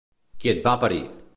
Qui et va parir!